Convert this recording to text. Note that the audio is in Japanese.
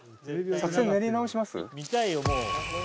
作戦練り直します。